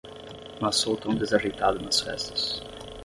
Mas sou tão desajeitado nas festas.